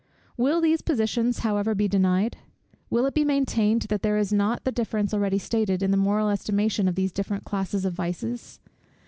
Will these positions however be denied? Will it be maintained that there is not the difference already stated, in the moral estimation of these different classes of vices?